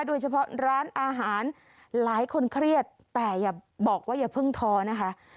โดยเฉพาะร้านอาหารหลายคนเครียดแต่อย่าบอกว่าอย่าเพิ่งท้อนะคะ